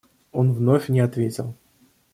Он вновь не ответил.